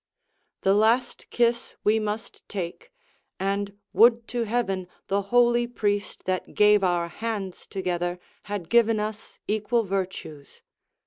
] The last kiss we must take; and would to Heaven The holy priest that gave our hands together Had given us equal virtues!